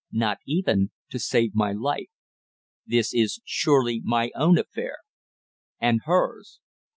"Not even to save my life. This is surely my own affair." "And hers."